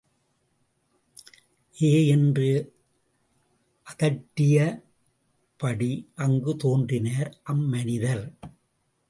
ஏய்! என்று அதட்டியபடி அங்கு தோன்றினார் அம்மனிதர்.